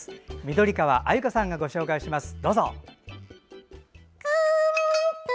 緑川鮎香さんがご紹介します。